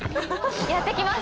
やってきます。